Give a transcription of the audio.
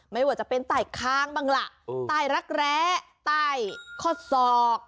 ไม่ว่าจะเป็นใต้ค้างบ้างล่ะใต้รักแร้ใต้ข้อศอก